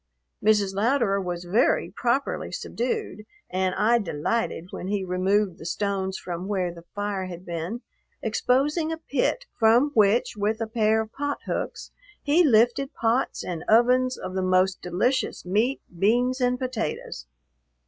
Mrs. Louderer was very properly subdued and I delighted when he removed the stones from where the fire had been, exposing a pit from which, with a pair of pot hooks, he lifted pots and ovens of the most delicious meat, beans, and potatoes.